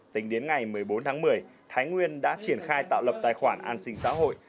tính đến ngày một mươi bốn tháng một mươi thái nguyên đã triển khai tạo lập tài khoản an sinh xã hội